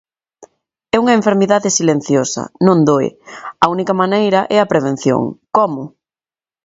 É unha enfermidade silenciosa, non doe, a única maneira é a prevención, como?